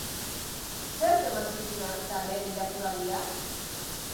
Zerk eman zizun arreta lehen irakurraldian?